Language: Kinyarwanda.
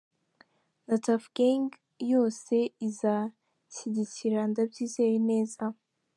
Na Tuff Gang yose izanshyigikira ndabyizeye neza”.